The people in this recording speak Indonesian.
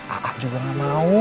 aa juga nggak mau